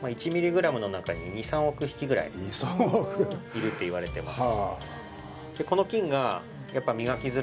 いるっていわれてます。